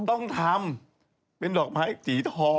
ต้องทำเป็นดอกไม้สีทอง